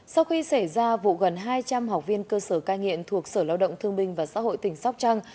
sau khi xảy ra vụ gần hai trăm linh học viên cơ sở cai nghiện thuộc sở lao động thương minh và xã hội tỉnh sóc trăng